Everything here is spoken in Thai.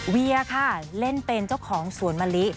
เวียค่ะเล่นเป็นเจ้าของสวนมะลิ